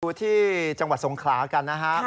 ดูที่จังหวัดสงขลากันนะฮะ